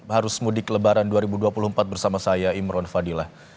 harus mudik lebaran dua ribu dua puluh empat bersama saya imron fadilah